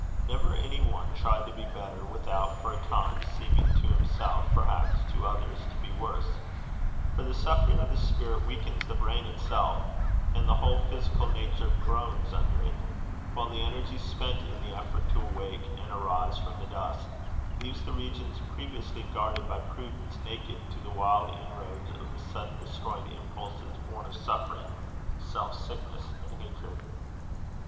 Never any one tried to be better, without, for a time, seeming to himself, perhaps to others, to be worse. For the suffering of the spirit weakens the brain itself, and the whole physical nature groans under it; while the energy spent in the effort to awake, and arise from the dust, leaves the regions previously guarded by prudence naked to the wild inroads of the sudden destroying impulses born of suffering, self sickness, and hatred.